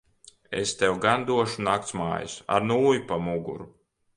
Es tev gan došu naktsmājas ar nūju pa muguru.